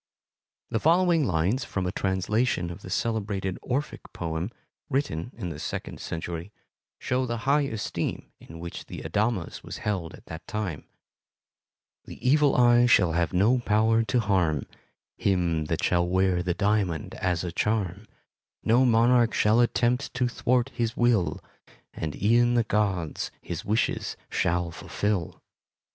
The following lines from a translation of the celebrated Orphic poem, written in the second century, show the high esteem in which the adamas was held at that time: The Evil Eye shall have no power to harm Him that shall wear the diamond as a charm, No monarch shall attempt to thwart his will, And e'en the gods his wishes shall fulfil.